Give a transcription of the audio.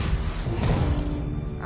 あ。